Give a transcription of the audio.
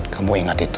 kamu ingat itu